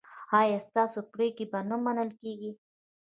ایا ستاسو پریکړې به نه منل کیږي؟